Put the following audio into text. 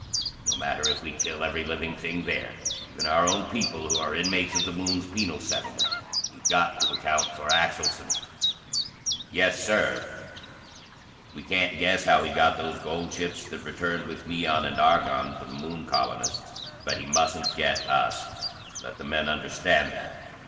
No matter if we kill every living thing there, even our own people who are inmates of the Moon's penal settlement, we've got to account for Axelson." "Yes, Sir." "We can't guess how he got those gold ships that returned with neon and argon for the Moon colonists. But he mustn't get us. Let the men understand that.